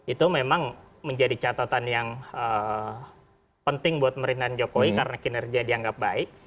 itu memang menjadi catatan yang penting buat pemerintahan jokowi karena kinerja dianggap baik